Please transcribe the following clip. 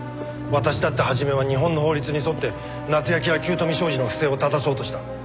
私だって初めは日本の法律に沿って夏焼ら九斗美商事の不正をただそうとした。